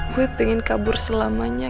gue pengen kabur selamanya